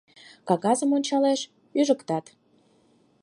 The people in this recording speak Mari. Кагазым ончалеш — ӱжытак.